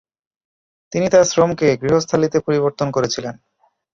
তিনি তার শ্রমকে গৃহস্থালিতে পরিবর্তন করেছিলেন।